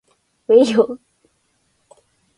うぇいよ